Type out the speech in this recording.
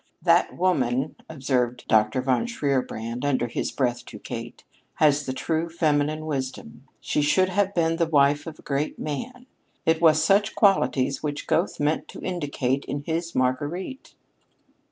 "That woman," observed Dr. von Shierbrand under his breath to Kate, "has the true feminine wisdom. She should have been the wife of a great man. It was such qualities which Goethe meant to indicate in his Marguerite."